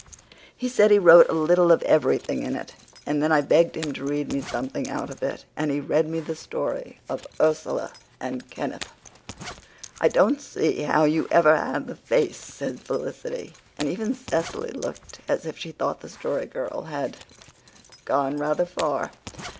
He said he wrote a little of everything in it; and then I begged him to read me something out of it, and he read me the story of Ursula and Kenneth." "I don't see how you ever had the face," said Felicity; and even Cecily looked as if she thought the Story Girl had gone rather far.